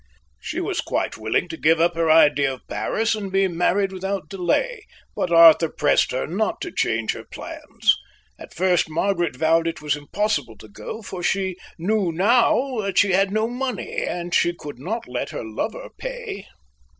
She was quite willing to give up her idea of Paris and be married without delay, but Arthur pressed her not to change her plans. At first Margaret vowed it was impossible to go, for she knew now that she had no money, and she could not let her lover pay.